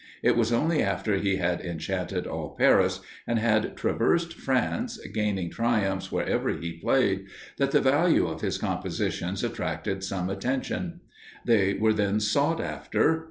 It was only after he had enchanted all Paris, and had traversed France, gaining triumphs wherever he played, that the value of his compositions attracted some attention. They were then sought after.